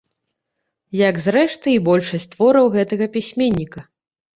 Як, зрэшты, і большасць твораў гэтага пісьменніка.